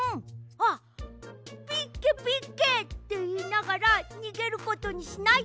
あっ「ピッケピッケ」っていいながらにげることにしない？